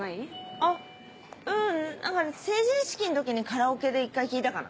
あっううん成人式の時にカラオケで１回聴いたかな。